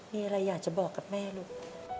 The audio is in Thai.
มีอะไรอยากจะบอกกับแม่ลูก